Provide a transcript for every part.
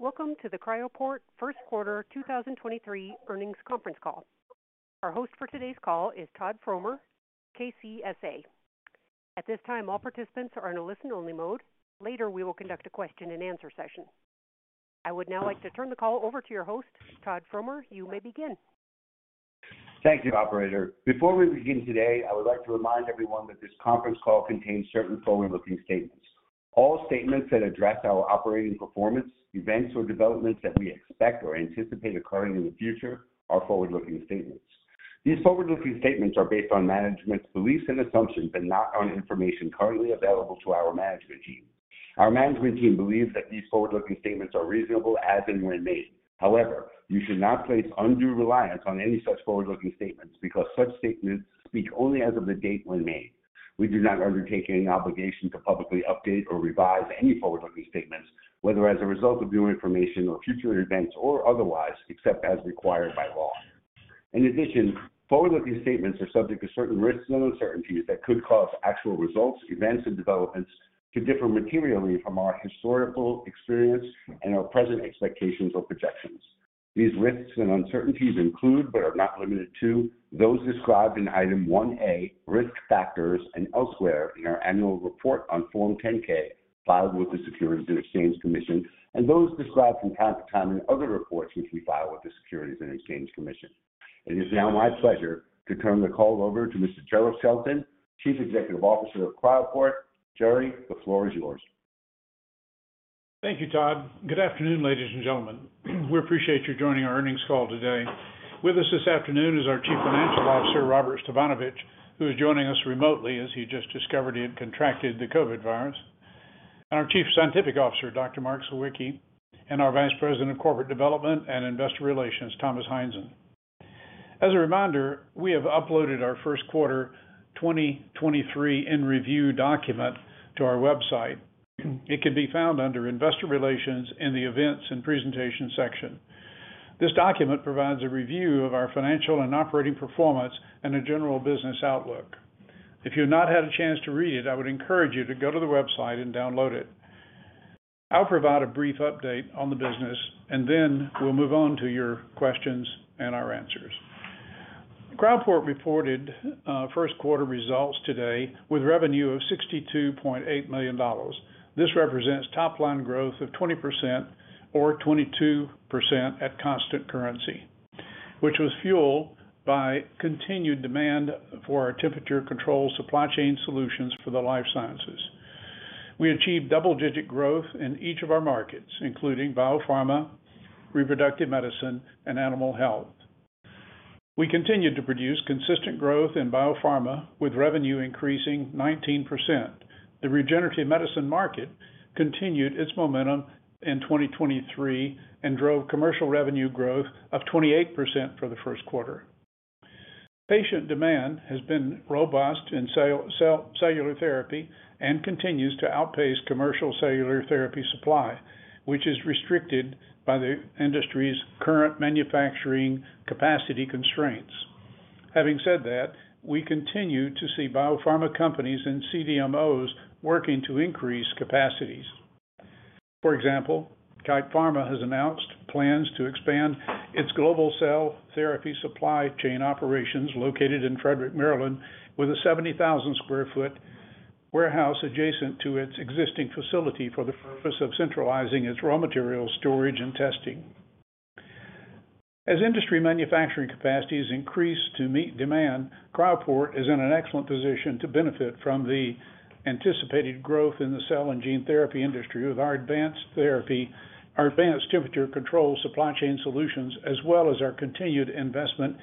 Welcome to the Cryoport first quarter 2023 earnings conference call. Our host for today's call is Todd Fromer, KCSA. At this time, all participants are in a listen-only mode. Later, we will conduct a question-and-answer session. I would now like to turn the call over to your host, Todd Fromer. You may begin. Thank you, operator. Before we begin today, I would like to remind everyone that this conference call contains certain forward-looking statements. All statements that address our operating performance, events or developments that we expect or anticipate occurring in the future are forward-looking statements. These forward-looking statements are based on management's beliefs and assumptions, but not on information currently available to our management team. Our management team believes that these forward-looking statements are reasonable as and when made. However, you should not place undue reliance on any such forward-looking statements because such statements speak only as of the date when made. We do not undertake any obligation to publicly update or revise any forward-looking statements, whether as a result of new information or future events or otherwise, except as required by law. In addition, forward-looking statements are subject to certain risks and uncertainties that could cause actual results, events, and developments to differ materially from our historical experience and our present expectations or projections. These risks and uncertainties include, but are not limited to, those described in Item 1A, Risk Factors and elsewhere in our annual report on Form 10-K filed with the Securities and Exchange Commission, and those described from time to time in other reports which we file with the Securities and Exchange Commission. It is now my pleasure to turn the call over to Mr. Jerrell Shelton, Chief Executive Officer of Cryoport. Jerrell, the floor is yours. Thank you, Todd. Good afternoon, ladies and gentlemen. We appreciate you joining our earnings call today. With us this afternoon is our Chief Financial Officer, Robert Stefanovich, who is joining us remotely as he just discovered he had contracted the COVID virus, and our Chief Scientific Officer, Dr. Mark Sawicki, and our Vice President of Corporate Development and Investor Relations, Thomas Heinzen. As a reminder, we have uploaded our first quarter 2023 in review document to our website. It can be found under Investor Relations in the Events and Presentation section. This document provides a review of our financial and operating performance and a general business outlook. If you've not had a chance to read it, I would encourage you to go to the website and download it. I'll provide a brief update on the business, and then we'll move on to your questions and our answers. Cryoport reported first quarter results today with revenue of $62.8 million. This represents top line growth of 20% or 22% at constant currency, which was fueled by continued demand for our temperature control supply chain solutions for the life sciences. We achieved double-digit growth in each of our markets, including biopharma, reproductive medicine, and animal health. We continued to produce consistent growth in biopharma, with revenue increasing 19%. The regenerative medicine market continued its momentum in 2023 and drove commercial revenue growth of 28% for the first quarter. Patient demand has been robust in cellular therapy and continues to outpace commercial cellular therapy supply, which is restricted by the industry's current manufacturing capacity constraints. Having said that, we continue to see biopharma companies and CDMOs working to increase capacities. For example, Kite Pharma has announced plans to expand its global cell therapy supply chain operations located in Frederick, Maryland, with a 70,000 sq ft warehouse adjacent to its existing facility for the purpose of centralizing its raw material storage and testing. As industry manufacturing capacities increase to meet demand, Cryoport is in an excellent position to benefit from the anticipated growth in the cell and gene therapy industry with our advanced temperature control supply chain solutions, as well as our continued investment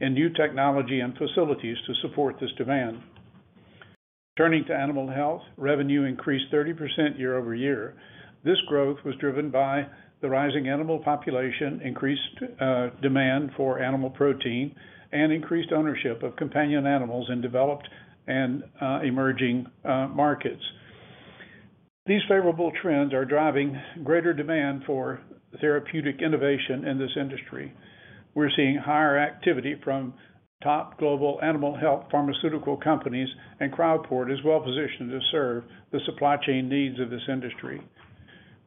in new technology and facilities to support this demand. Turning to animal health, revenue increased 30% year-over-year. This growth was driven by the rising animal population, increased demand for animal protein, and increased ownership of companion animals in developed and emerging markets. These favorable trends are driving greater demand for therapeutic innovation in this industry. We're seeing higher activity from top global animal health pharmaceutical companies. Cryoport is well-positioned to serve the supply chain needs of this industry.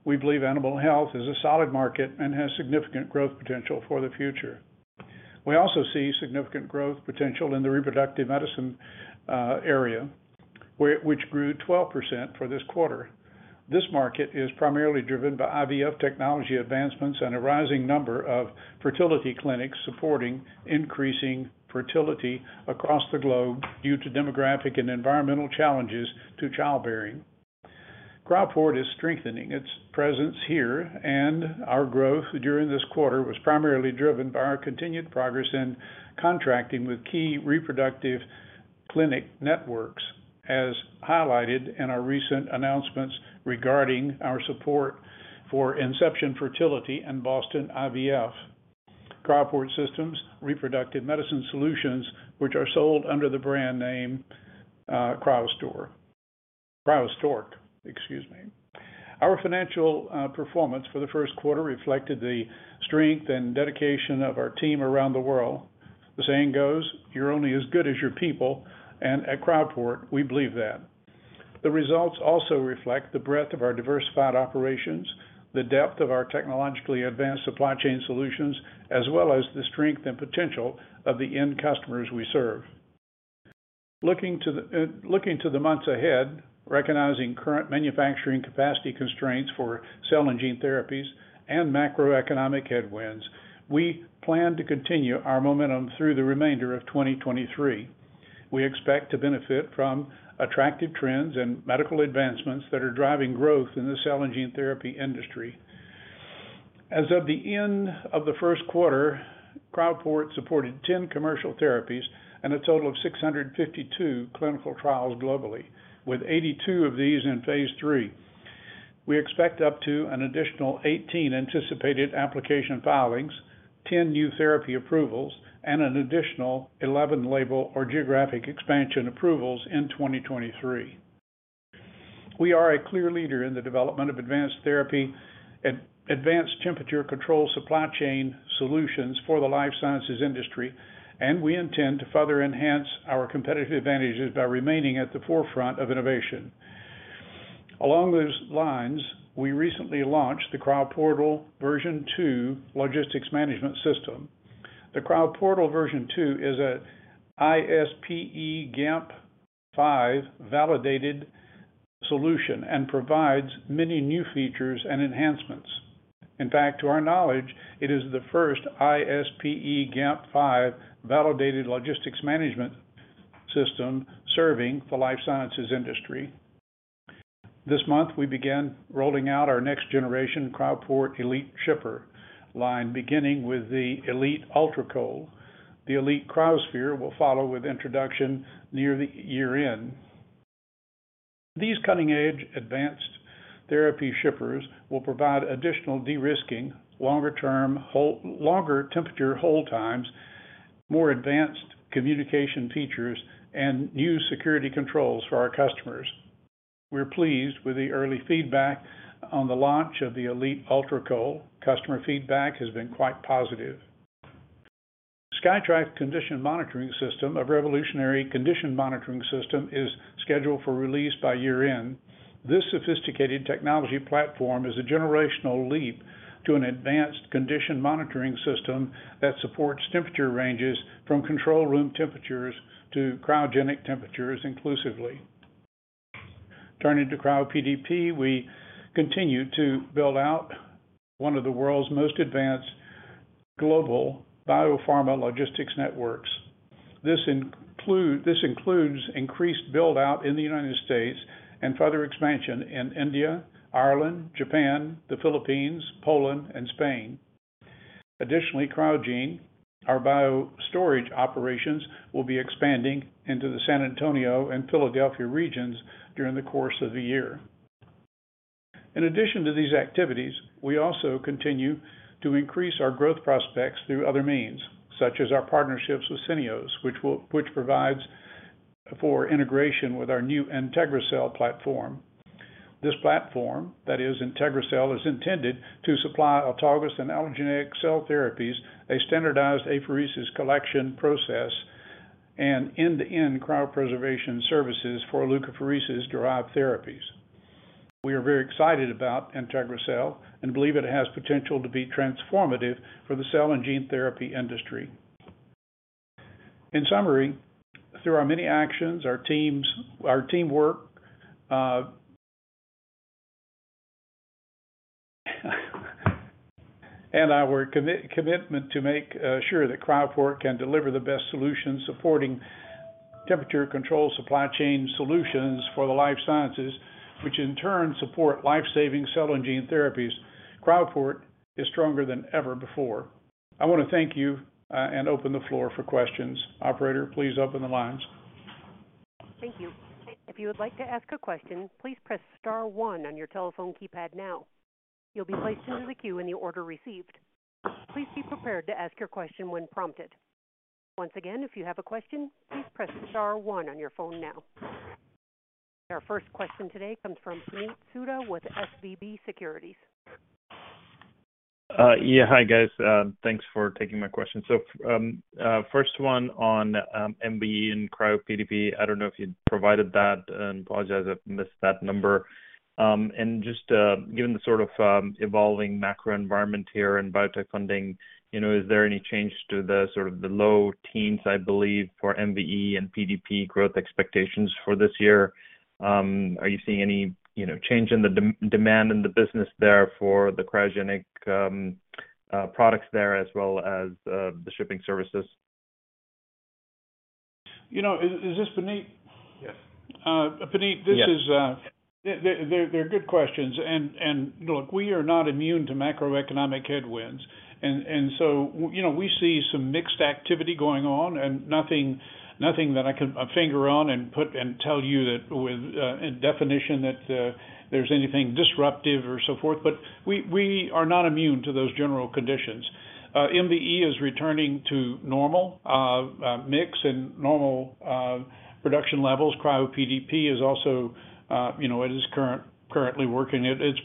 We believe animal health is a solid market and has significant growth potential for the future. We also see significant growth potential in the reproductive medicine area which grew 12% for this quarter. This market is primarily driven by IVF technology advancements and a rising number of fertility clinics supporting increasing fertility across the globe due to demographic and environmental challenges to childbearing. Cryoport is strengthening its presence here. Our growth during this quarter was primarily driven by our continued progress in contracting with key reproductive clinic networks, as highlighted in our recent announcements regarding our support for Inception Fertility and Boston IVF. Cryoport Systems Reproductive Medicine Solutions, which are sold under the brand name, CryoStork, excuse me. Our financial performance for the first quarter reflected the strength and dedication of our team around the world. The saying goes, "You're only as good as your people," and at Cryoport, we believe that. The results also reflect the breadth of our diversified operations, the depth of our technologically advanced supply chain solutions, as well as the strength and potential of the end customers we serve. Looking to the months ahead, recognizing current manufacturing capacity constraints for cell and gene therapies and macroeconomic headwinds, we plan to continue our momentum through the remainder of 2023. We expect to benefit from attractive trends and medical advancements that are driving growth in the cell and gene therapy industry. As of the end of the first quarter, Cryoport supported 10 commercial therapies and a total of 652 clinical trials globally, with 82 of these in phase III. We expect up to an additional 18 anticipated application filings, 10 new therapy approvals, and an additional 11 label or geographic expansion approvals in 2023. We are a clear leader in the development of advanced therapy and advanced temperature control supply chain solutions for the life sciences industry, we intend to further enhance our competitive advantages by remaining at the forefront of innovation. Along those lines, we recently launched the Cryoportal version 2 logistics management system. The Cryoportal version 2 is a ISPE GAMP 5 validated solution, provides many new features and enhancements. In fact, to our knowledge, it is the first ISPE GAMP 5 validated logistics management system serving the life sciences industry. This month, we began rolling out our next generation Cryoport Elite shipper line, beginning with the Elite Ultra Cold. The ELITE Cryosphere will follow with introduction near the year-end. These cutting edge advanced therapy shippers will provide additional de-risking, longer temperature hold times, more advanced communication features, and new security controls for our customers. We're pleased with the early feedback on the launch of the Elite Ultra Cold. Customer feedback has been quite positive. Skytrax condition monitoring system, a revolutionary condition monitoring system, is scheduled for release by year-end. This sophisticated technology platform is a generational leap to an advanced condition monitoring system that supports temperature ranges from control room temperatures to cryogenic temperatures inclusively. Turning to CryoPDP, we continue to build out one of the world's most advanced global biopharma logistics networks. This includes increased build-out in the United States and further expansion in India, Ireland, Japan, the Philippines, Poland, and Spain. Cryogene our biostorage operations, will be expanding into the San Antonio and Philadelphia regions during the course of the year. In addition to these activities, we also continue to increase our growth prospects through other means, such as our partnerships with Syneos, which provides for integration with our new IntegriCell platform. This platform, that is IntegriCell, is intended to supply autologous and allogeneic cell therapies, a standardized apheresis collection process, and end-to-end cryopreservation services for leukapheresis derived therapies. We are very excited about IntegriCell and believe it has potential to be transformative for the cell and gene therapy industry. In summary, through our many actions, our teamwork, and our commitment to make sure that Cryoport can deliver the best solutions supporting temperature control supply chain solutions for the life sciences, which in turn support life-saving cell and gene therapies, Cryoport is stronger than ever before. I wanna thank you, and open the floor for questions. Operator, please open the lines. Thank you. If you would like to ask a question, please press star one on your telephone keypad now. You'll be placed into the queue in the order received. Please be prepared to ask your question when prompted. Once again, if you have a question, please press star one on your phone now. Our first question today comes from Puneet Souda with SVB Securities. Yeah. Hi, guys. Thanks for taking my question. First one on MVE and CryoPDP. I don't know if you provided that, and apologize if I missed that number. And just, given the sort of, evolving macro environment here in biotech funding, you know, is there any change to the sort of the low teens, I believe, for MVE and PDP growth expectations for this year? Are you seeing any, you know, change in the demand in the business there for the cryogenic products there as well as the shipping services? You know, is this Puneet? Yes. Puneet, this is. Yes. They're good questions. Look, we are not immune to macroeconomic headwinds. You know, we see some mixed activity going on and nothing that I can finger on and put and tell you that with a definition that there's anything disruptive or so forth. We, we are not immune to those general conditions. MVE is returning to normal mix and normal production levels. CryoPDP is also, you know, it is currently working at its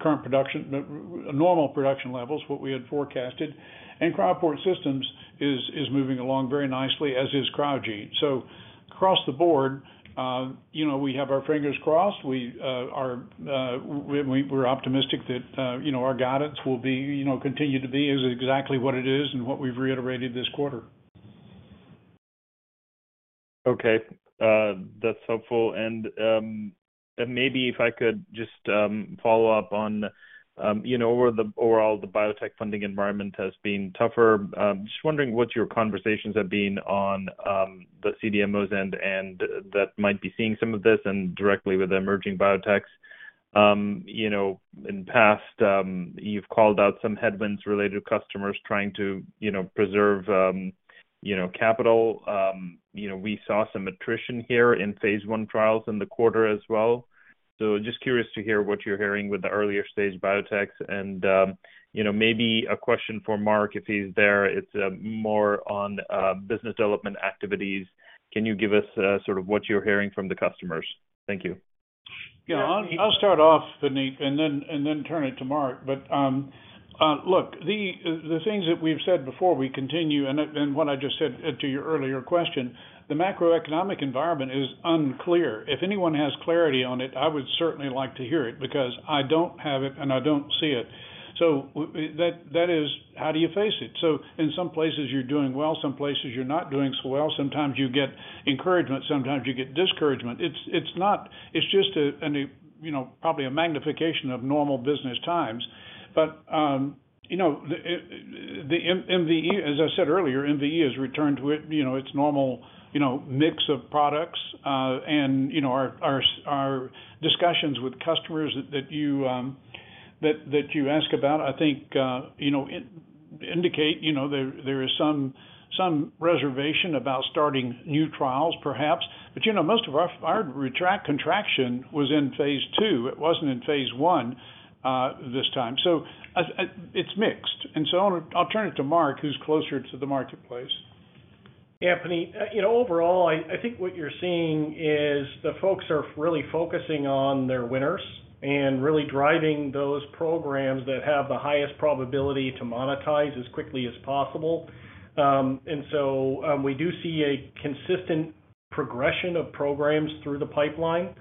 current production, normal production levels, what we had forecasted. Cryoport Systems is moving along very nicely, as is Cryogene. Across the board, you know, we have our fingers crossed. We're optimistic that, you know, our guidance will be, you know, continue to be is exactly what it is and what we've reiterated this quarter. Okay. That's helpful. Maybe if I could just follow up on overall, the biotech funding environment has been tougher. Just wondering what your conversations have been on the CDMOs end and that might be seeing some of this and directly with emerging biotech. In past, you've called out some headwinds related to customers trying to preserve capital. We saw some attrition here in phase I trials in the quarter as well. Just curious to hear what you're hearing with the earlier stage biotech. Maybe a question for Mark, if he's there. It's more on business development activities. Can you give us sort of what you're hearing from the customers? Thank you. Yeah. I'll start off, Puneet, and then turn it to Mark. Look, the things that we've said before, we continue and what I just said to your earlier question, the macroeconomic environment is unclear. If anyone has clarity on it, I would certainly like to hear it because I don't have it and I don't see it. That is how do you face it? In some places you're doing well, some places you're not doing so well. Sometimes you get encouragement, sometimes you get discouragement. It's not. It's just a, you know, probably a magnification of normal business times. You know, the MVE, as I said earlier, MVE has returned to it, you know, its normal, you know, mix of products. You know, our discussions with customers that you, that you ask about, I think, you know, indicate, you know, there is some reservation about starting new trials perhaps. You know, most of our retract contraction was in phase II. It wasn't in phase I, this time. I, it's mixed. I'll turn it to Mark, who's closer to the marketplace. Yeah, Puneet. You know, overall, I think what you're seeing is the folks are really focusing on their winners and really driving those programs that have the highest probability to monetize as quickly as possible. We do see a consistent progression of programs through the pipeline.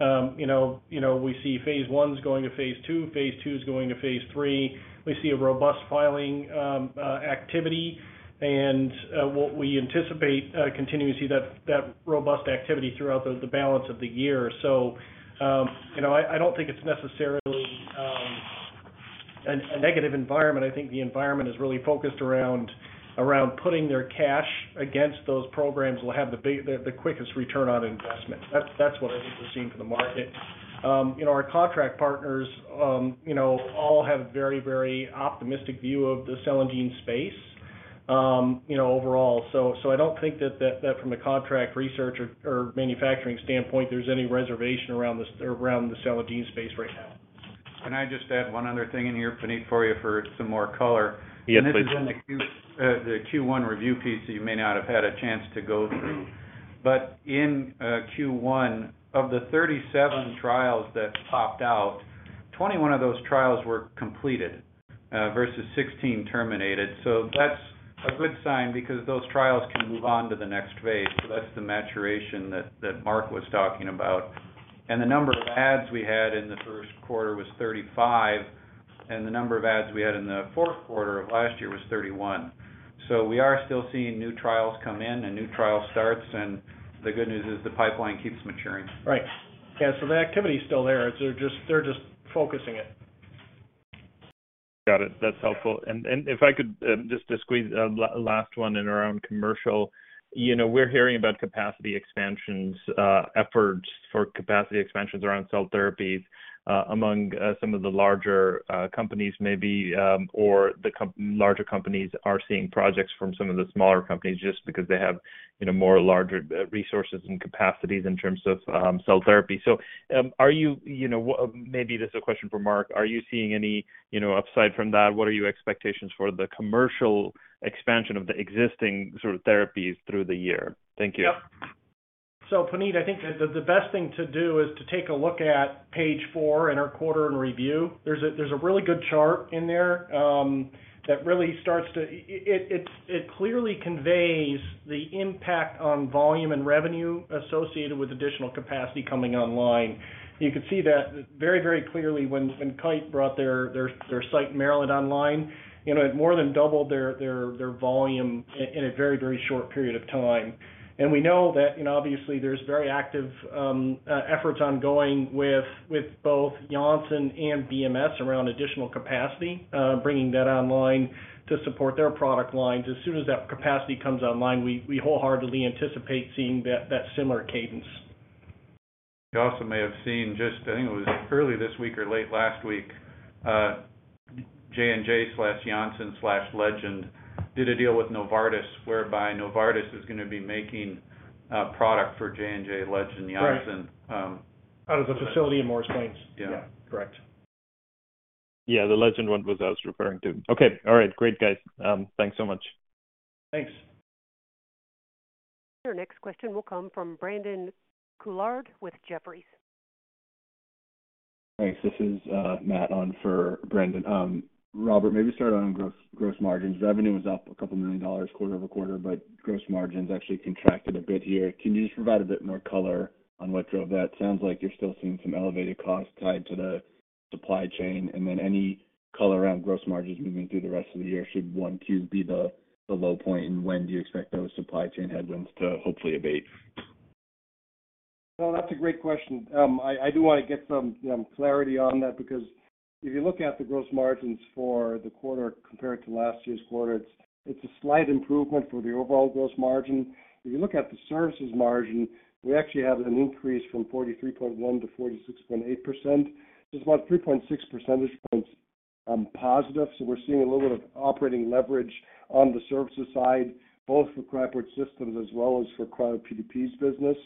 You know, we see phase I going to phase II, phase II going to phase III. We see a robust filing activity. What we anticipate continuing to see that robust activity throughout the balance of the year. You know, I don't think it's necessarily a negative environment. I think the environment is really focused around putting their cash against those programs will have the quickest return on investment. That's what I think we're seeing for the market. You know, our contract partners, you know, all have a very optimistic view of the cell and gene space, you know, overall. I don't think that from a contract research or manufacturing standpoint, there's any reservation around the cell and gene space right now. Can I just add one other thing in here, Puneet, for you for some more color? Yes, please. This is in the Q1 review piece that you may not have had a chance to go through. In Q1, of the 37 trials that topped out, 21 of those trials were completed versus 16 terminated. That's a good sign because those trials can move on to the next phase. That's the maturation that Mark was talking about. The number of adds we had in the first quarter was 35, and the number of adds we had in the fourth quarter of last year was 31. We are still seeing new trials come in and new trial starts, and the good news is the pipeline keeps maturing. Right. Yeah. The activity is still there. It's they're just focusing it. Got it. That's helpful. If I could, just to squeeze a last one in around commercial. You know, we're hearing about capacity expansions, efforts for capacity expansions around cell therapies, among some of the larger companies maybe, or the larger companies are seeing projects from some of the smaller companies just because they have, you know, more larger resources and capacities in terms of cell therapy. Are you know, Maybe this is a question for Mark. Are you seeing any, you know, upside from that? What are your expectations for the commercial expansion of the existing sort of therapies through the year? Thank you. Yeah. Puneet, I think the best thing to do is to take a look at page four in our quarter and review. There's a really good chart in there that really clearly conveys the impact on volume and revenue associated with additional capacity coming online. You can see that very, very clearly when Kite brought their site in Maryland online. You know, it more than doubled their volume in a very, very short period of time. We know that, you know, obviously there's very active efforts ongoing with both Janssen and BMS around additional capacity, bringing that online to support their product lines. As soon as that capacity comes online, we wholeheartedly anticipate seeing that similar cadence. You also may have seen just, I think it was early this week or late last week, J&J/Janssen/Legend did a deal with Novartis, whereby Novartis is gonna be making a product for J&J Legend Janssen. Right. Out of the facility in Morris Plains. Yeah. Yeah, correct. The Legend Biotech one was I was referring to. Okay, all right. Great, guys. Thanks so much. Thanks. Your next question will come from Brandon Couillard with Jefferies. Thanks. This is Matt on for Brendan. Robert, maybe start on gross margins. Revenue was up $2 million quarter-over-quarter, but gross margins actually contracted a bit here. Can you just provide a bit more color on what drove that? Sounds like you're still seeing some elevated costs tied to the supply chain. Any color around gross margins moving through the rest of the year, should Q1 be the low point? When do you expect those supply chain headwinds to hopefully abate? Well, that's a great question. I do wanna get some clarity on that because if you look at the gross margins for the quarter compared to last year's quarter, it's a slight improvement for the overall gross margin. If you look at the services margin, we actually have an increase from 43.1%-46.8%. It's about 3.6 percentage points positive. We're seeing a little bit of operating leverage on the services side, both for Cryoport Systems as well as for CryoPDP's business.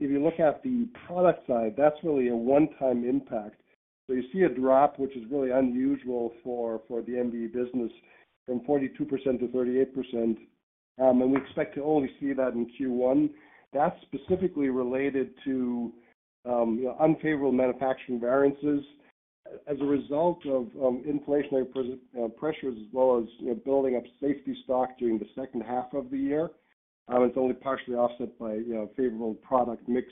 If you look at the product side, that's really a one-time impact. You see a drop, which is really unusual for the MVE business, from 42%-38%. We expect to only see that in Q1. That's specifically related to, you know, unfavorable manufacturing variances as a result of inflationary pressures as well as, you know, building up safety stock during the second half of the year. It's only partially offset by, you know, favorable product mix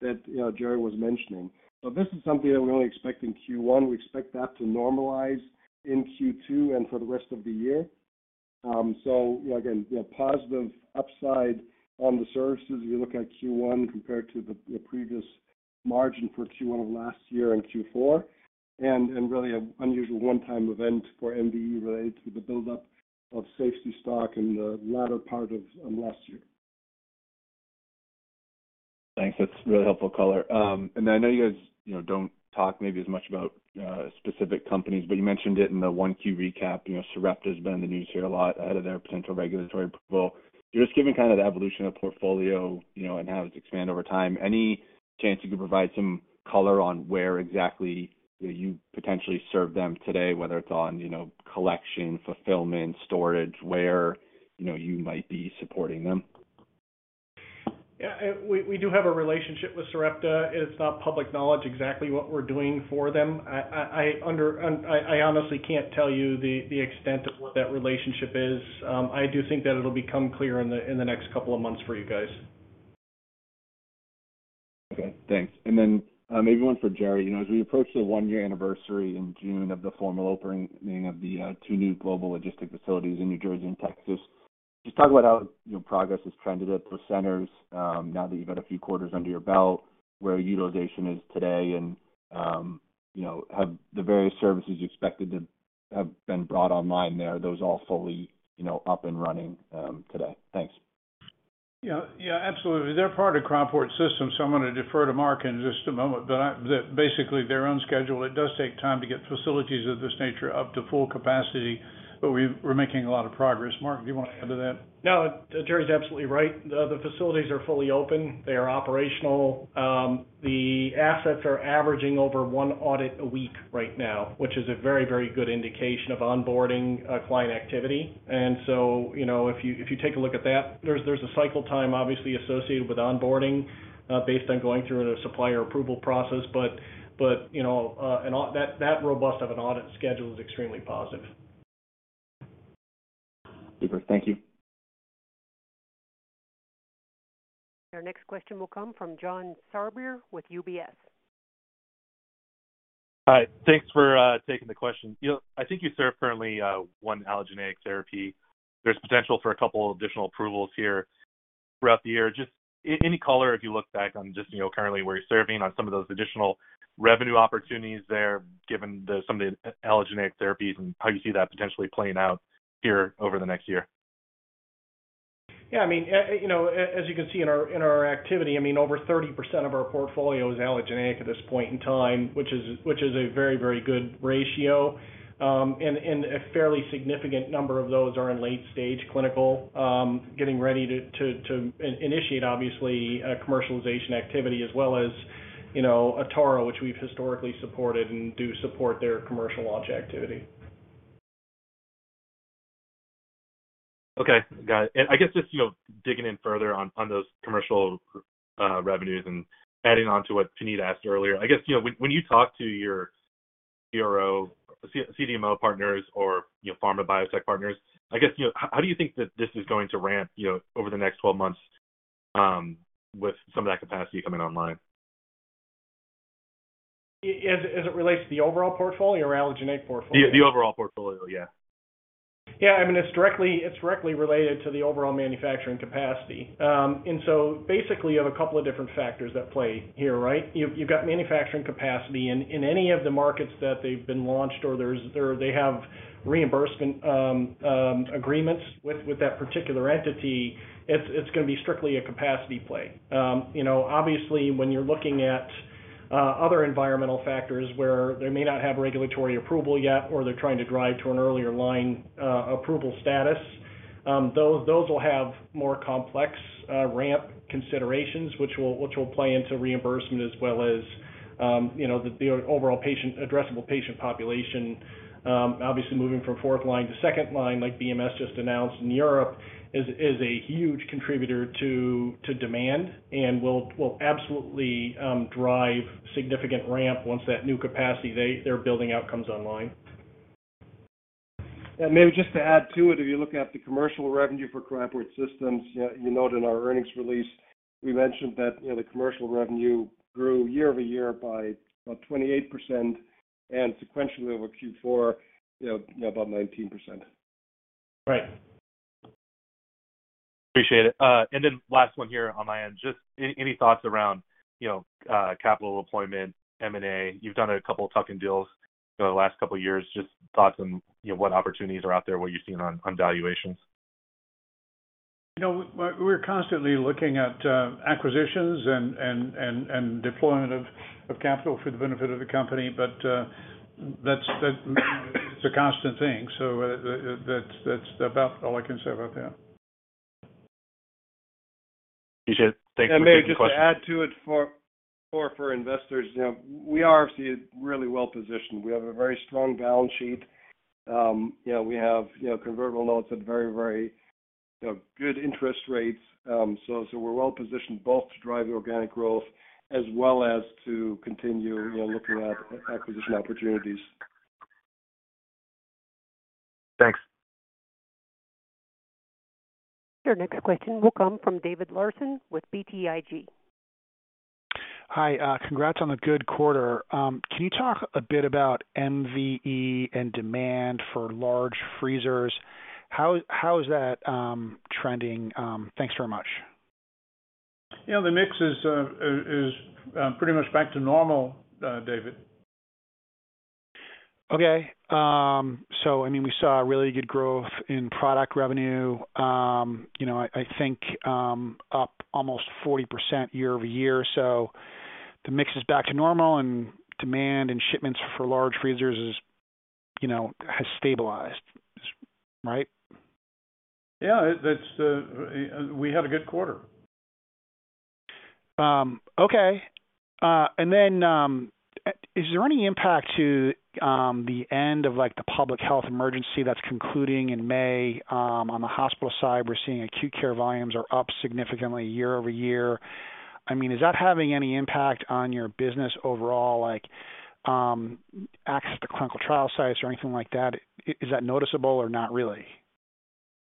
that, you know, Jerrell was mentioning. This is something that we only expect in Q1. We expect that to normalize in Q2 and for the rest of the year. You know, again, you know, positive upside on the services if you look at Q1 compared to the previous margin for Q1 of last year and Q4, and really an unusual one-time event for MVE related to the buildup of safety stock in the latter part of last year. Thanks. That's really helpful color. I know you guys, you know, don't talk maybe as much about specific companies, but you mentioned it in the Q1 recap. You know, Sarepta has been in the news here a lot ahead of their potential regulatory approval. Just given kind of the evolution of portfolio and how it's expanded over time, any chance you could provide some color on where exactly you potentially serve them today, whether it's on collection, fulfillment, storage, where you might be supporting them? Yeah, we do have a relationship with Sarepta. It's not public knowledge exactly what we're doing for them. I honestly can't tell you the extent of what that relationship is. I do think that it'll become clear in the next couple of months for you guys. Okay, thanks. Then, maybe one for Jerrell. You know, as we approach the one-year anniversary in June of the formal opening of thetwo new global logistic facilities in New Jersey and Texas, just talk about how, you know, progress has trended at those centers, now that you've got a few quarters under your belt, where utilization is today and, you know, have the various services you expected to have been brought online there, those all fully, you know, up and running today? Thanks. Yeah. Yeah, absolutely. They're part of Cryoport Systems, so I'm gonna defer to Mark in just a moment. Basically, they're on schedule. It does take time to get facilities of this nature up to full capacity, we're making a lot of progress. Mark, do you want to add to that? No, Jerrell's absolutely right. The facilities are fully open. They are operational. The assets are averaging over one audit a week right now, which is a very, very good indication of onboarding client activity. You know, if you take a look at that, there's a cycle time obviously associated with onboarding based on going through the supplier approval process. you know, that robust of an audit schedule is extremely positive. Super. Thank you. Our next question will come from John Sourbeer with UBS. Hi. Thanks for taking the question. You know, I think you serve currently one allogeneic therapy. There's potential for a couple additional approvals here throughout the year. Just any color, if you look back on just, you know, currently where you're serving on some of those additional revenue opportunities there, given some of the allogeneic therapies and how you see that potentially playing out here over the next year? I mean, you know, as you can see in our, in our activity, I mean, over 30% of our portfolio is allogeneic at this point in time, which is a very good ratio. A fairly significant number of those are in late-stage clinical, getting ready to initiate, obviously, a commercialization activity as well as, you know, Atara, which we've historically supported and do support their commercial launch activity. Okay. Got it. I guess just, you know, digging in further on those commercial revenues and adding on to what Puneet asked earlier. I guess, you know, when you talk to your CRO, CDMO partners or, you know, pharma biotech partners, I guess, you know, how do you think that this is going to ramp, you know, over the next 12 months with some of that capacity coming online? As it relates to the overall portfolio or allogeneic portfolio? The overall portfolio, yeah. Yeah, I mean, it's directly related to the overall manufacturing capacity. Basically, you have a couple of different factors at play here, right. You've got manufacturing capacity in any of the markets that they've been launched or they have reimbursement agreements with that particular entity, it's gonna be strictly a capacity play. You know, obviously, when you're looking at other environmental factors where they may not have regulatory approval yet or they're trying to drive to an earlier line approval status, those will have more complex ramp considerations, which will play into reimbursement as well as, you know, the overall addressable patient population. Obviously, moving from fourth line to second line, like BMS just announced in Europe, is a huge contributor to demand and will absolutely drive significant ramp once that new capacity they're building out comes online. Maybe just to add to it, if you look at the commercial revenue for Cryoport Systems, you know, you note in our earnings release, we mentioned that, you know, the commercial revenue grew year-over-year by about 28% and sequentially over Q4, you know, about 19%. Right. Appreciate it. Last one here on my end. Just any thoughts around, you know, capital deployment, M&A. You've done a couple tuck-in deals over the last couple years. Just thoughts on, you know, what opportunities are out there, what you're seeing on valuations. You know, we're constantly looking at acquisitions and deployment of capital for the benefit of the company. That's a constant thing. That's about all I can say about that. Appreciate it. Thank you for taking the question. Maybe just to add to it for investors. You know, we are obviously really well-positioned. We have a very strong balance sheet. You know, we have, you know, convertible notes at very, very, you know, good interest rates. We're well-positioned both to drive organic growth as well as to continue, you know, looking at acquisition opportunities. Thanks. Your next question will come from David Larsen with BTIG. Hi, congrats on the good quarter. Can you talk a bit about MVE and demand for large freezers? How is that trending? Thanks very much. You know, the mix is pretty much back to normal, David. Okay. I mean, we saw a really good growth in product revenue, you know, I think, up almost 40% year-over-year. The mix is back to normal and demand and shipments for large freezers is, you know, has stabilized, right? Yeah, it's, we had a good quarter. Okay. Is there any impact to, like, the public health emergency that's concluding in May? On the hospital side, we're seeing acute care volumes are up significantly year-over-year. I mean, is that having any impact on your business overall, like, access to clinical trial sites or anything like that? Is that noticeable or not really?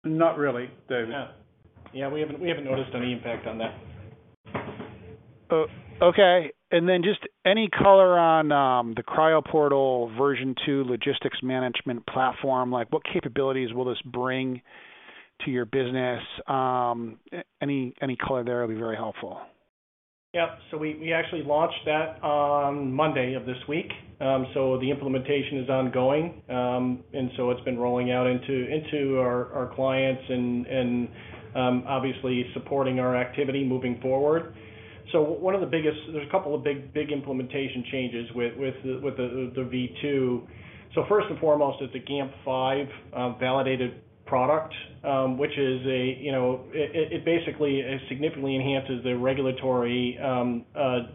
Not really, David. Yeah. Yeah, we haven't noticed any impact on that. Okay. Then just any color on the Cryoportal version 2 logistics management platform, like what capabilities will this bring to your business? Any color there will be very helpful. We actually launched that on Monday of this week. The implementation is ongoing. It's been rolling out into our clients and obviously supporting our activity moving forward. There's a couple of big, big implementation changes with the V2. First and foremost, it's a GAMP 5 validated product, which is a, you know, it basically, it significantly enhances the regulatory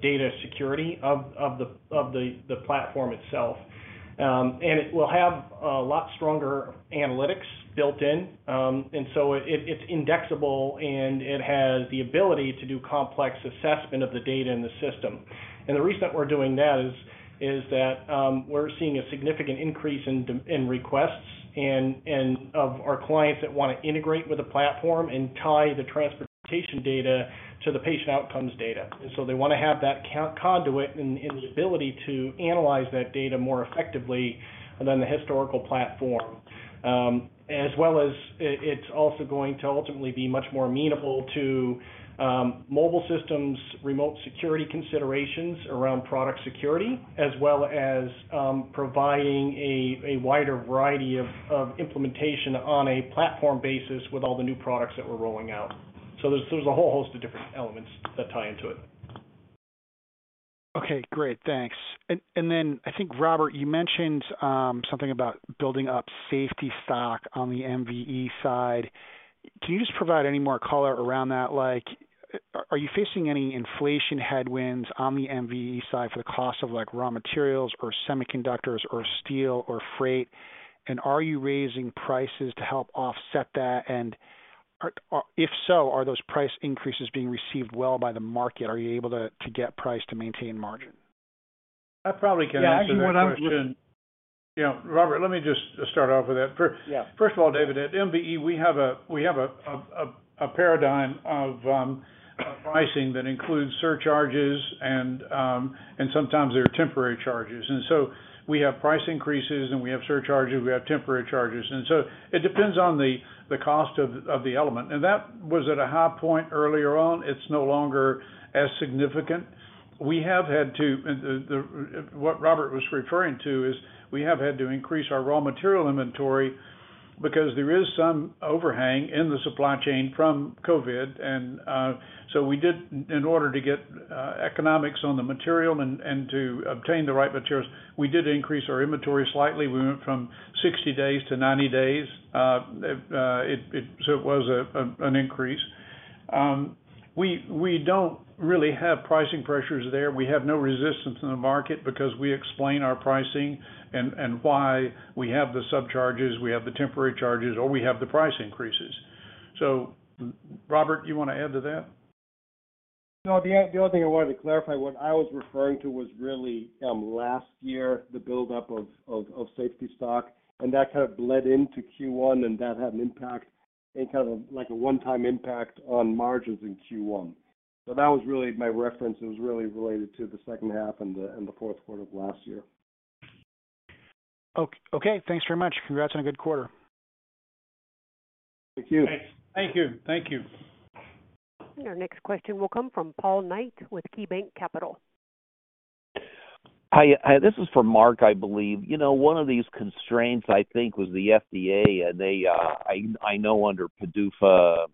data security of the platform itself. It will have a lot stronger analytics built in. It's indexable, and it has the ability to do complex assessment of the data in the system. The reason that we're doing that is that we're seeing a significant increase in requests and of our clients that wanna integrate with the platform and tie the transportation data to the patient outcomes data. They wanna have that conduit and the ability to analyze that data more effectively than the historical platform. as well as it's also going to ultimately be much more amenable to mobile systems, remote security considerations around product security, as well as providing a wider variety of implementation on a platform basis with all the new products that we're rolling out. There's a whole host of different elements that tie into it. Okay, great. Thanks. I think, Robert, you mentioned, something about building up safety stock on the MVE side. Can you just provide any more color around that? Like, are you facing any inflation headwinds on the MVE side for the cost of, like, raw materials or semiconductors or steel or freight? Are you raising prices to help offset that? If so, are those price increases being received well by the market? Are you able to get price to maintain margin? I probably can answer that question. Yeah, actually what I. You know, Robert, let me just start off with that. Yeah. First of all, David, at MVE, we have a paradigm of pricing that includes surcharges and sometimes there are temporary charges. We have price increases, and we have surcharges, we have temporary charges. It depends on the cost of the element. That was at a high point earlier on. It's no longer as significant. What Robert was referring to is we have had to increase our raw material inventory because there is some overhang in the supply chain from COVID. So in order to get economics on the material and to obtain the right materials, we did increase our inventory slightly. We went from 60 days to 90 days. So it was an increase. We don't really have pricing pressures there. We have no resistance in the market because we explain our pricing and why we have the surcharges, we have the temporary charges or we have the price increases. Robert, you wanna add to that? No, the other thing I wanted to clarify, what I was referring to was really, last year, the buildup of safety stock, and that kind of bled into Q1, and that had an impact and kind of like a one-time impact on margins in Q1. That was really my reference. It was really related to the second half and the fourth quarter of last year. Okay. Thanks very much. Congrats on a good quarter. Thank you. Thanks. Thank you. Thank you. Your next question will come from Paul Knight with KeyBanc Capital. Hi, this is for Mark, I believe. You know, one of these constraints, I think, was the FDA, and they, I know under PDUFA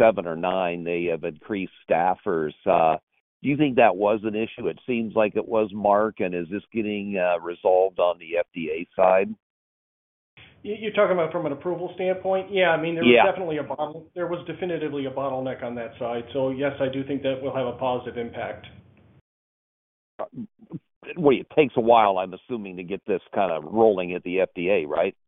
VII or IX, they have increased staffers. Do you think that was an issue? It seems like it was, Mark, and is this getting resolved on the FDA side? You're talking about from an approval standpoint? Yeah. Yeah. I mean, there was definitively a bottleneck on that side. yes, I do think that will have a positive impact. Well, it takes a while, I'm assuming, to get this kind of rolling at the FDA, right? Yeah.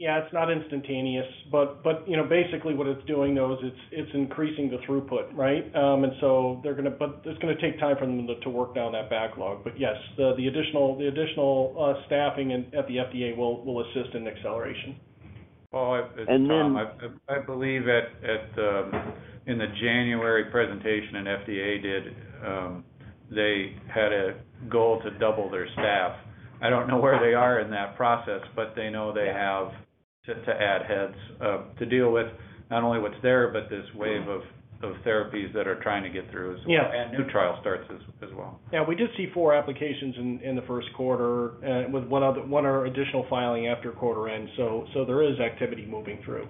It's not instantaneous. You know, basically what it's doing, though, is it's increasing the throughput, right? They're gonna, but it's gonna take time for them to work down that backlog. Yes, the additional staffing at the FDA will assist in acceleration and then- Paul, it's, I believe in the January presentation that FDA did, they had a goal to double their staff. I don't know where they are in that process, but they know they have to add heads to deal with not only what's there, but this wave of therapies that are trying to get through as well. Yeah. New trial starts as well. Yeah, we did see four applications in the first quarter, with one other additional filing after quarter end. There is activity moving through.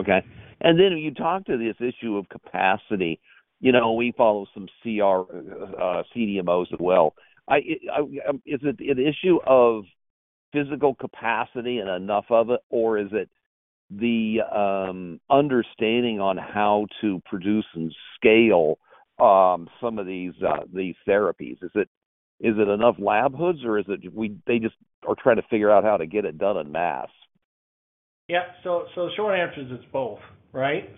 Okay. Then you talked to this issue of capacity. You know, we follow some CDMOs as well. I, is it an issue of physical capacity and enough of it, or is it the understanding on how to produce and scale some of these therapies? Is it enough lab hoods or is it they just are trying to figure out how to get it done en masse? Short answer is it's both, right?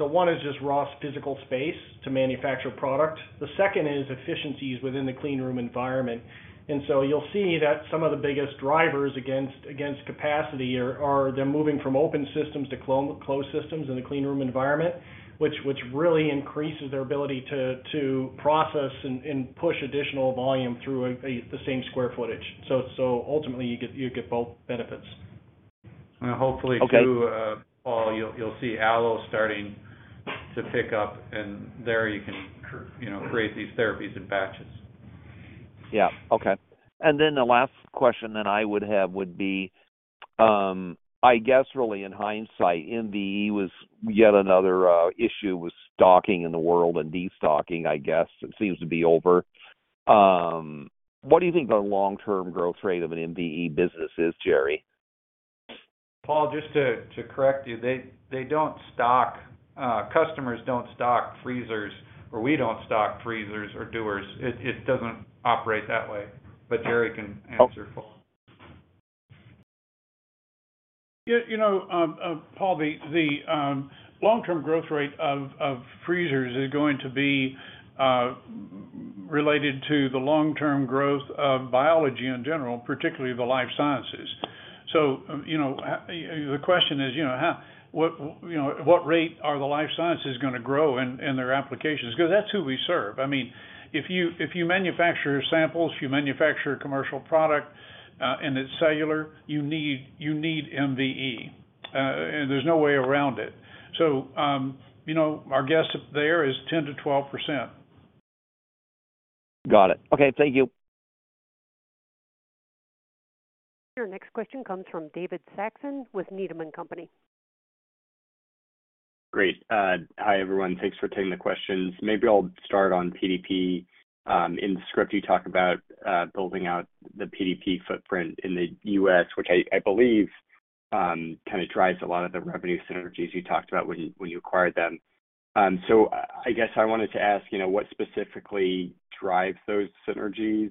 One is just raw physical space to manufacture product. The second is efficiencies within the clean room environment. You'll see that some of the biggest drivers against capacity are they're moving from open systems to closed systems in a clean room environment, which really increases their ability to process and push additional volume through the same square footage. Ultimately, you get both benefits. Hopefully too, Paul, you'll see Allo starting to pick up, and there you can you know, create these therapies in batches. Yeah. Okay. The last question then I would have would be, I guess really in hindsight, MVE was yet another issue with stocking in the world and destocking, I guess, it seems to be over. What do you think the long-term growth rate of an MVE business is, Jerrell? Paul, just to correct you, they don't stock freezers, or we don't stock freezers or Dewar's. It doesn't operate that way. Jerrell can answer fully. You know, Paul, the long-term growth rate of freezers is going to be related to the long-term growth of biology in general, particularly the life sciences. You know, the question is, you know, how, what, you know, at what rate are the life sciences gonna grow in their applications? Because that's who we serve. I mean, if you manufacture samples, if you manufacture a commercial product, and it's cellular, you need MVE. There's no way around it. You know, our guess there is 10%-12%. Got it. Okay. Thank you. Your next question comes from David Saxon with Needham & Company. Great. Hi, everyone. Thanks for taking the questions. Maybe I'll start on PDP. In the script, you talk about building out the PDP footprint in the U.S., which I believe, kind of drives a lot of the revenue synergies you talked about when you acquired them. I guess I wanted to ask, you know, what specifically drives those synergies,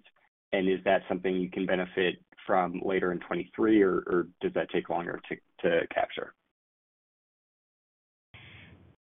and is that something you can benefit from later in 2023 or does that take longer to capture?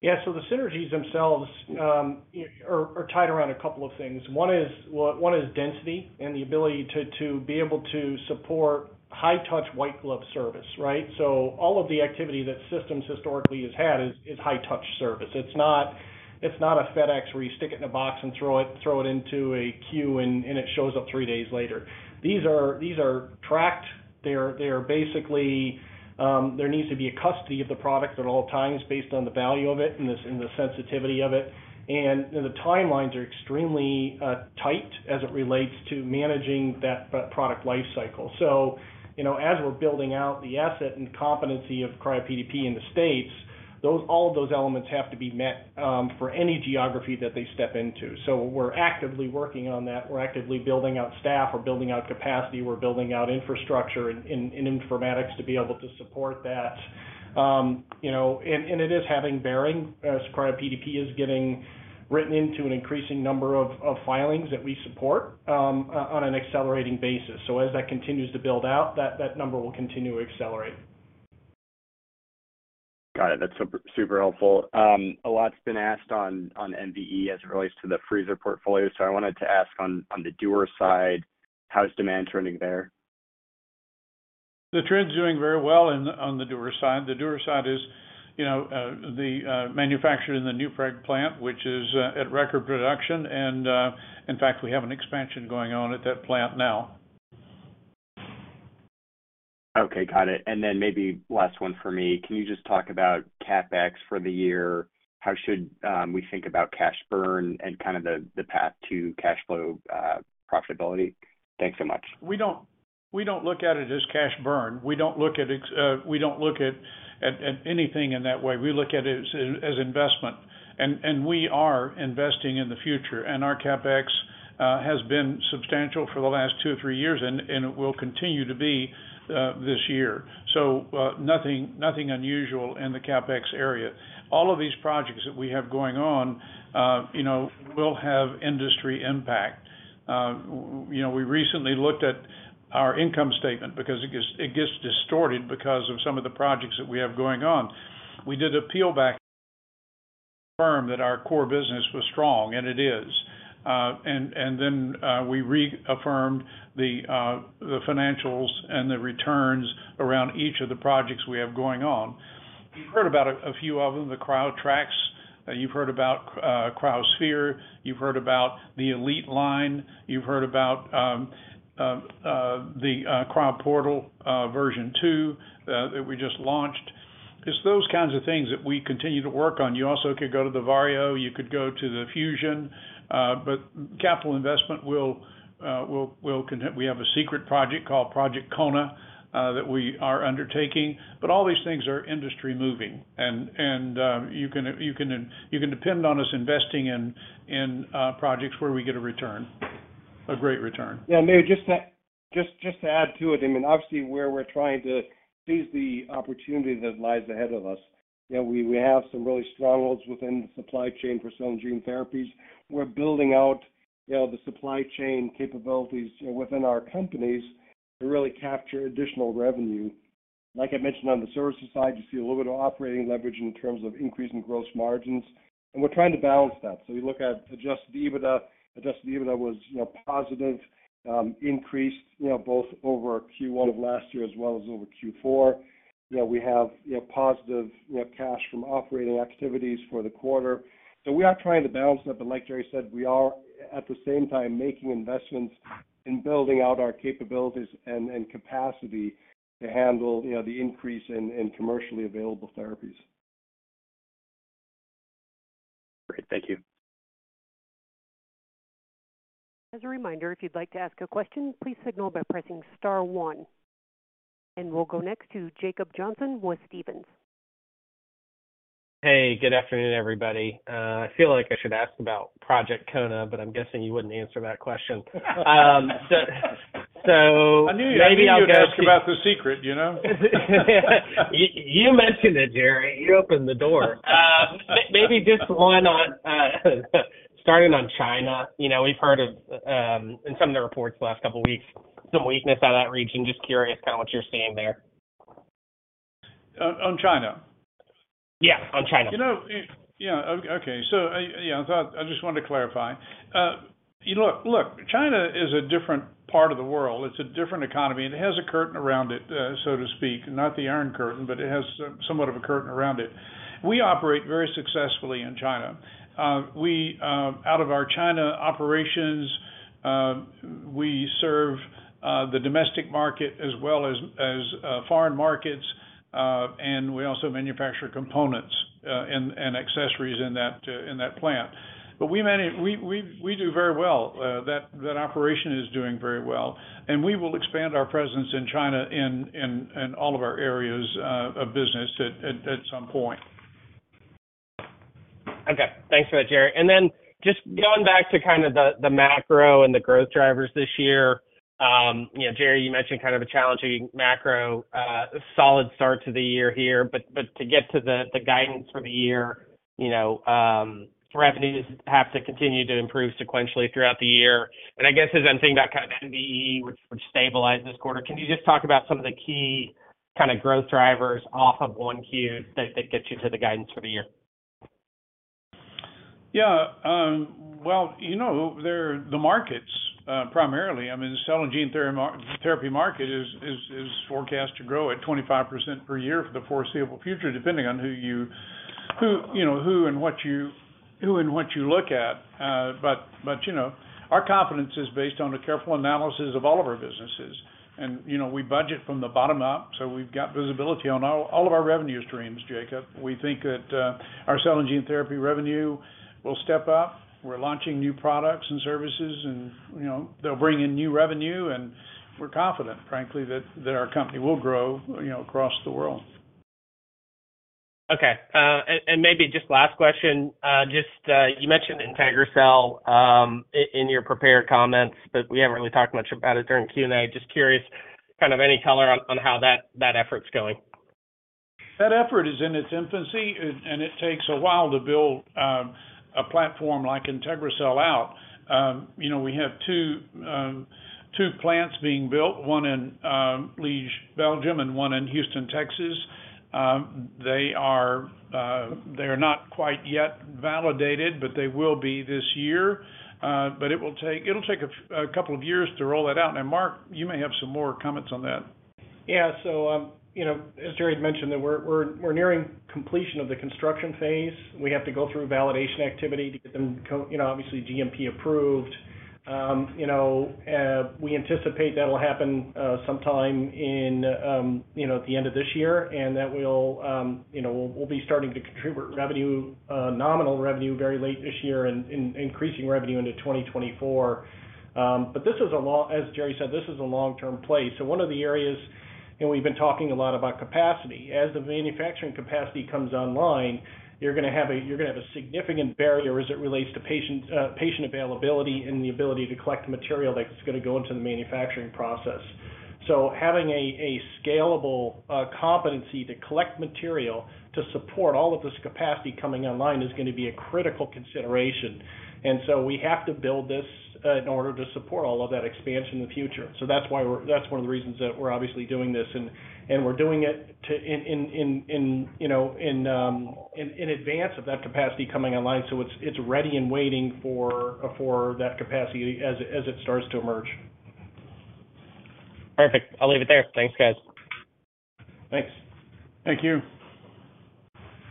Yeah. The synergies themselves are tied around a couple of things. One is, well, one is density and the ability to be able to support high touch white glove service, right? All of the activity that systems historically has had is high touch service. It's not a FedEx where you stick it in a box and throw it into a queue and it shows up three days later. These are tracked. They're basically, there needs to be a custody of the product at all times based on the value of it and the sensitivity of it. You know, the timelines are extremely tight as it relates to managing that product life cycle. You know, as we're building out the asset and competency of CryoPDP in the States, all of those elements have to be met for any geography that they step into. We're actively working on that. We're actively building out staff, we're building out capacity, we're building out infrastructure in informatics to be able to support that. You know, and it is having bearing as CryoPDP is getting written into an increasing number of filings that we support on an accelerating basis. As that continues to build out, that number will continue to accelerate. Got it. That's super helpful. A lot's been asked on MVE as it relates to the freezer portfolio. I wanted to ask on the Dewar side, how's demand trending there? The trend's doing very well on the Dewar side. The Dewar side is, you know, manufactured in the Newburg plant, which is at record production. In fact, we have an expansion going on at that plant now. Okay. Got it. Maybe last one for me. Can you just talk about CapEx for the year? How should we think about cash burn and kind of the path to cash flow profitability? Thanks so much. We don't look at it as cash burn. We don't look at anything in that way. We look at it as investment. We are investing in the future. Our CapEx has been substantial for the last two or three years, and it will continue to be this year. Nothing unusual in the CapEx area. All of these projects that we have going on, you know, will have industry impact. We, you know, we recently looked at our income statement because it gets distorted because of some of the projects that we have going on. We did a peel back to confirm that our core business was strong, and it is. We reaffirmed the financials and the returns around each of the projects we have going on. You've heard about a few of them, the Cryo Trax. You've heard about Cryosphere. You've heard about the Elite line. You've heard about the Cryoportal version 2 that we just launched. Just those kinds of things that we continue to work on. You also could go to the Vario, you could go to the Fusion. Capital investment will. We have a secret project called Project Kona that we are undertaking. All these things are industry moving. You can depend on us investing in projects where we get a return, a great return. Yeah, maybe just to add to it, I mean, obviously, where we're trying to seize the opportunity that lies ahead of us, you know, we have some really strong holds within the supply chain for cell and gene therapies. We're building out, you know, the supply chain capabilities within our companies to really capture additional revenue. Like I mentioned on the services side, you see a little bit of operating leverage in terms of increase in gross margins, and we're trying to balance that. You look at adjusted EBITDA. Adjusted EBITDA was, you know, positive, increased, you know, both over Q1 of last year as well as over Q4. You know, we have, you know, positive, you know, cash from operating activities for the quarter. We are trying to balance that. Like Jerrell said, we are at the same time making investments in building out our capabilities and capacity to handle, you know, the increase in commercially available therapies. Great. Thank you. As a reminder, if you'd like to ask a question, please signal by pressing star one. We'll go next to Jacob Johnson with Stephens. Hey, good afternoon, everybody. I feel like I should ask about Project Kona, but I'm guessing you wouldn't answer that question. I knew you, I knew you'd ask about the secret, you know. You mentioned it, Jerrell. You opened the door. Maybe just one on starting on China. You know, we've heard of in some of the reports the last couple weeks, some weakness out of that region. Just curious kind of what you're seeing there. On China? Yeah, on China. You know, yeah. Okay. Yeah, I just wanted to clarify. Look, look, China is a different part of the world. It's a different economy, and it has a curtain around it, so to speak, not the Iron Curtain, but it has somewhat of a curtain around it. We operate very successfully in China. We, out of our China operations, we serve the domestic market as well as foreign markets, and we also manufacture components and accessories in that plant. We do very well. That, that operation is doing very well, and we will expand our presence in China in all of our areas of business at some point. Okay. Thanks for that, Jerrell. Just going back to kind of the macro and the growth drivers this year. You know, Jerrell, you mentioned kind of a challenging macro, solid start to the year here. But to get to the guidance for the year, you know, revenues have to continue to improve sequentially throughout the year. I guess as I'm seeing that kind of MVE, which stabilized this quarter, can you just talk about some of the key kind of growth drivers off of Q1 that gets you to the guidance for the year? Yeah. Well, you know, they're the markets, primarily. I mean, the cell and gene therapy market is forecast to grow at 25% per year for the foreseeable future, depending on who you know, who and what you, who and what you look at. You know, our confidence is based on a careful analysis of all of our businesses. You know, we budget from the bottom up, so we've got visibility on all of our revenue streams, Jacob. We think that our cell and gene therapy revenue will step up. We're launching new products and services and, you know, they'll bring in new revenue, and we're confident, frankly, that our company will grow, you know, across the world. Okay. Maybe just last question. Just, you mentioned IntegriCell, in your prepared comments, but we haven't really talked much about it during the Q&A. Just curious, kind of any color on how that effort's going. That effort is in its infancy and it takes a while to build a platform like IntegriCell out. You know, we have two plants being built, one in Liege, Belgium, and one in Houston, Texas. They are not quite yet validated, but they will be this year. But it'll take a couple of years to roll that out. Mark, you may have some more comments on that. As Jerrell had mentioned, that we're nearing completion of the construction phase. We have to go through a validation activity to get them, you know, obviously GMP approved. We anticipate that'll happen sometime in, you know, at the end of this year, and that we'll, you know, we'll be starting to contribute revenue, nominal revenue very late this year and increasing revenue into 2024. But this is a long. As Jerrell said, this is a long-term play. One of the areas, you know, we've been talking a lot about capacity. As the manufacturing capacity comes online, you're gonna have a significant barrier as it relates to patient availability and the ability to collect material that's gonna go into the manufacturing process. Having a scalable competency to collect material to support all of this capacity coming online is going to be a critical consideration. We have to build this in order to support all of that expansion in the future. That's why that's one of the reasons that we're obviously doing this and we're doing it in advance of that capacity coming online so it's ready and waiting for that capacity as it starts to emerge. Perfect. I'll leave it there. Thanks, guys. Thanks. Thank you.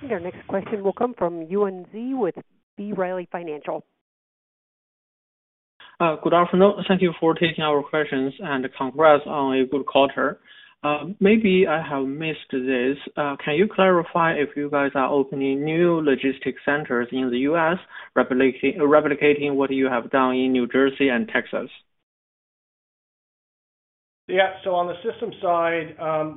Your next question will come from Yuan Zhi with B. Riley Financial. Good afternoon. Thank you for taking our questions, and congrats on a good quarter. Maybe I have missed this. Can you clarify if you guys are opening new logistic centers in the U.S., replicating what you have done in New Jersey and Texas? On the system side,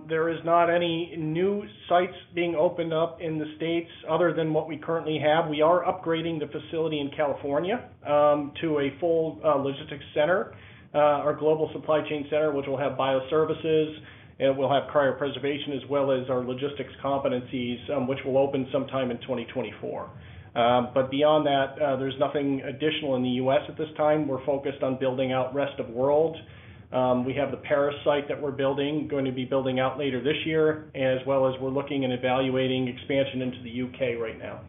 there is not any new sites being opened up in the States other than what we currently have. We are upgrading the facility in California, to a full logistics center. Our global supply chain center, which will have BioServices, it will have cryopreservation as well as our logistics competencies, which will open sometime in 2024. Beyond that, there's nothing additional in the U.S. at this time. We're focused on building out rest of world. We have the Paris site that we're building, going to be building out later this year, as well as we're looking and evaluating expansion into the U.K. right now.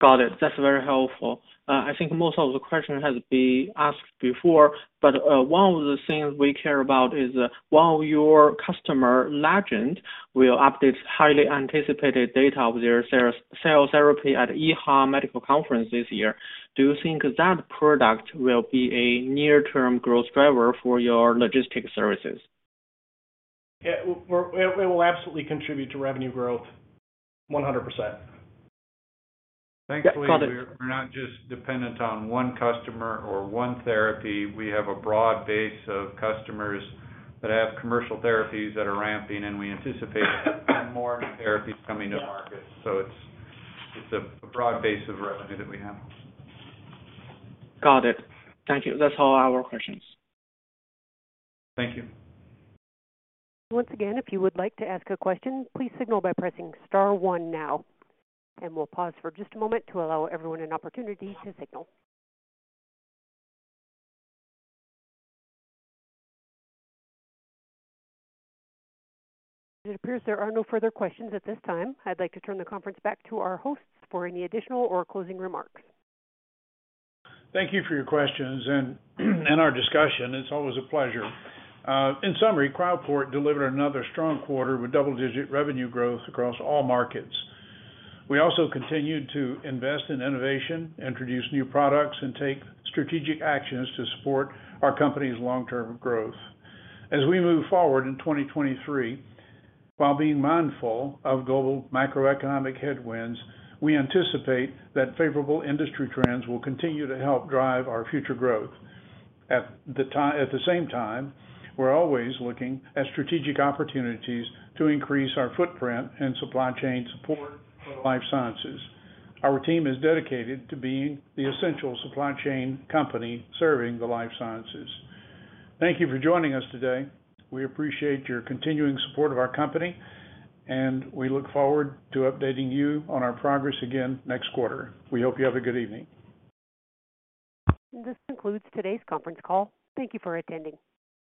Got it. That's very helpful. I think most of the question has been asked before, but one of the things we care about is, while your customer, Legend, will update highly anticipated data of their cell therapy at EHA medical conference this year, do you think that product will be a near-term growth driver for your logistics services? Yeah. It will absolutely contribute to revenue growth 100%. Yeah. Got it. We're not just dependent on one customer or one therapy. We have a broad base of customers that have commercial therapies that are ramping, and we anticipate more therapies coming to market. It's a broad base of revenue that we have. Got it. Thank you. That's all our questions. Thank you. Once again, if you would like to ask a question, please signal by pressing star one now. We'll pause for just a moment to allow everyone an opportunity to signal. It appears there are no further questions at this time. I'd like to turn the conference back to our hosts for any additional or closing remarks. Thank you for your questions and our discussion. It's always a pleasure. In summary, Cryoport delivered another strong quarter with double-digit revenue growth across all markets. We also continued to invest in innovation, introduce new products, and take strategic actions to support our company's long-term growth. As we move forward in 2023, while being mindful of global macroeconomic headwinds, we anticipate that favorable industry trends will continue to help drive our future growth. At the same time, we're always looking at strategic opportunities to increase our footprint and supply chain support for life sciences. Our team is dedicated to being the essential supply chain company serving the life sciences. Thank you for joining us today. We appreciate your continuing support of our company, and we look forward to updating you on our progress again next quarter. We hope you have a good evening. This concludes today's conference call. Thank you for attending.